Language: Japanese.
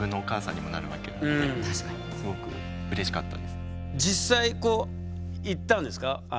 やっぱり実際こう行ったんですか？